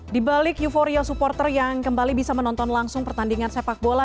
di balik euforia supporter yang kembali bisa menonton langsung pertandingan sepak bola